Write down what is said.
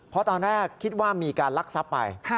เพราะตอนแรกคิดว่ามีการลักทรัพย์ไป